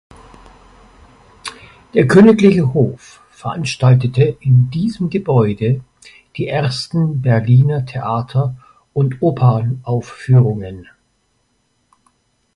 Der königliche Hof veranstaltete in diesem Gebäude die ersten Berliner Theater- und Opernaufführungen.